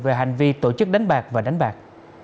về hành vi tổ chức đánh bạc và đánh bạc